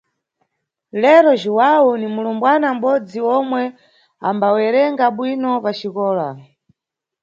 Lero, Jhuwawu ni mulumbwana mʼbodzi omwe ambawerenga bwino paxikola.